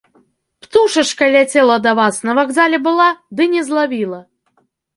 Птушачкай ляцела да вас, на вакзале была, ды не злавіла.